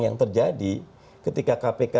yang terjadi ketika kpk